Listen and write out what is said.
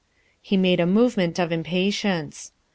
lie made a movement of impatience.